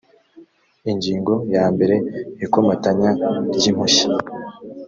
ingingo ya mbere ikomatanya ry impushya